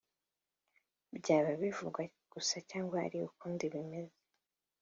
byaba bivugwa gusa cyangwa ari ukundi bimeze